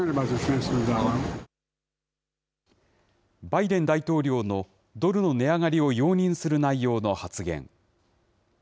バイデン大統領のドルの値上がりを容認する内容の発言。